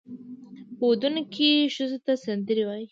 په ودونو کې ښځو ته سندرې وایي.